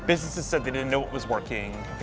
bisnis bilang mereka tidak tahu apa yang berfungsi